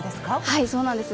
はい、そうなんです。